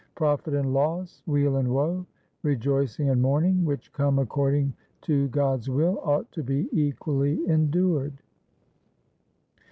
Profit and loss, weal and woe, rejoicing and mourning, which come according to God's will, ought to be equally endured.